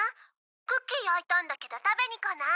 クッキー焼いたんだけど食べに来ない？」